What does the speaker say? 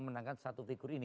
misalkan satu figur ini